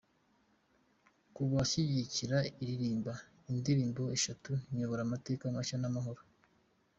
kubashyigikira iririmba indirimbo eshatu: Nyobora, Amateka mashya n Amahoro.